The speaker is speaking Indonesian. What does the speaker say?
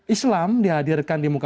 islam dihadirkan di muka